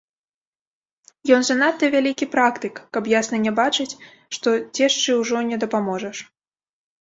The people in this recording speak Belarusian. Ён занадта вялікі практык, каб ясна не бачыць, што цешчы ўжо не дапаможаш.